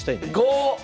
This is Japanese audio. ５！